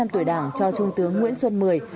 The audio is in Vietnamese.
bốn mươi năm tuổi đảng cho trung tướng nguyễn xuân mười